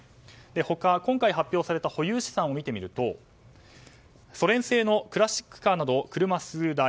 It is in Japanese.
他、今回発表された保有資産を見てみるとソ連製のクラシックカーなど車数台。